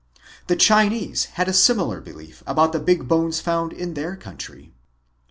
The Chinese had a similar belief about the big bones found in their country.